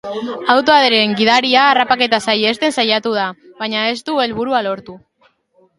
Autoaren gidaria harrapaketa saihesten saiatu da, baina ez du helburua lortu.